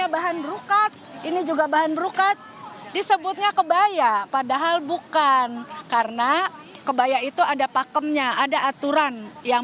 bahan brokat disebutnya kebaya padahal bukan karena kebaya itu ada pakemnya ada aturan yang